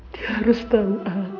dia harus tahu